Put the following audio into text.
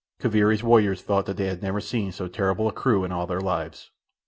Kaviri's warriors thought that they had never seen so terrible a crew in all their lives.